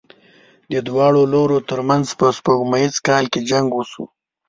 د دواړو لورو تر منځ په سپوږمیز کال جنګ وشو.